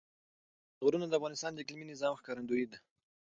غرونه د افغانستان د اقلیمي نظام ښکارندوی ده.